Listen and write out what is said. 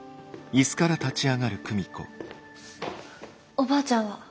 おばあちゃんは？